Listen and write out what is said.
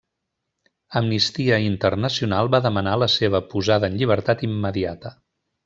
Amnistia Internacional va demanar la seva posada en llibertat immediata.